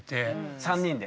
３人で？